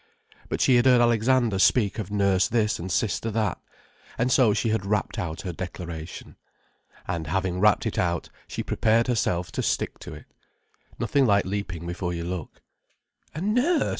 But she had heard Alexander speak of Nurse This and Sister That. And so she had rapped out her declaration. And having rapped it out, she prepared herself to stick to it. Nothing like leaping before you look. "A nurse!"